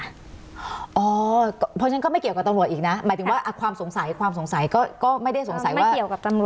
อ๋อเพราะฉะนั้นก็ไม่เกี่ยวกับตำรวจอีกนะหมายถึงว่าความสงสัยความสงสัยก็ไม่ได้สงสัยว่า